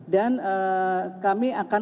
dan kami akan